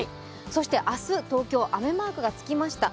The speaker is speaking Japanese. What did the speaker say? そして明日、東京、雨マークがつきました。